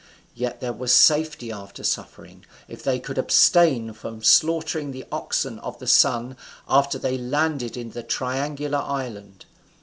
Yet there was safety after suffering, if they could abstain from slaughtering the oxen of the Sun after they landed in the Triangular island.